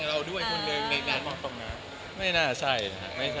หมายถึงว่าพากับใครขึ้น